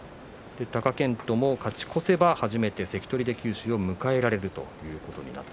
貴健斗も勝ち越せば初めて関取で九州を迎えられます。